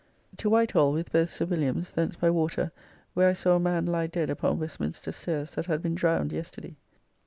To Whitehall with both Sir Williams, thence by water, where I saw a man lie dead upon Westminster Stairs that had been drowned yesterday.